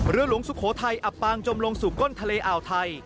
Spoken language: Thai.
หลวงสุโขทัยอับปางจมลงสู่ก้นทะเลอ่าวไทย